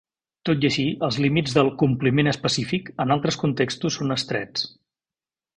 Tot i així, els límits del "compliment específic" en altres contextos són estrets.